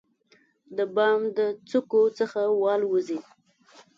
د بام د څوکو څخه والوزي،